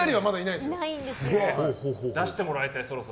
出してもらいたい、そろそろ。